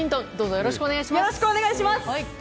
よろしくお願いします！